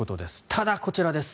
ただ、こちらです。